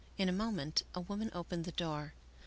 In a moment a woman opened the door.